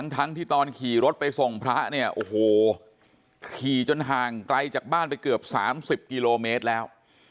ทั้งที่ตอนขี่รถไปส่งพระเนี่ยโอ้โหขี่จนห่างไกลจากบ้านไปเกือบ๓๐กิโลเมตรแล้ว